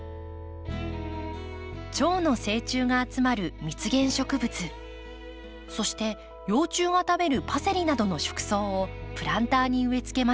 チョウの成虫が集まる蜜源植物そして幼虫が食べるパセリなどの食草をプランターに植えつけました。